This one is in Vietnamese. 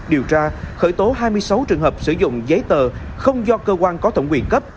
điều tra khởi tố hai mươi sáu trường hợp sử dụng giấy tờ không do cơ quan có thẩm quyền cấp